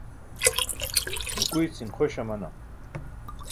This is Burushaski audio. nukuycin xoś amanam